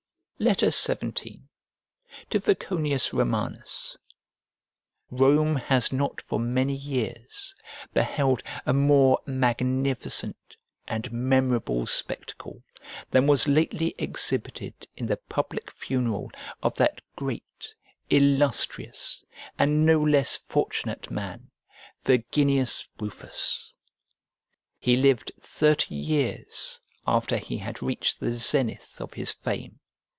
XVII To VOCONIUS ROMANUS ROME has not for many years beheld a more magnificent and memorable spectacle than was lately exhibited in the public funeral of that great, illustrious, and no less fortunate man, Verginius Rufus. He lived thirty years after he had reached the zenith of his fame.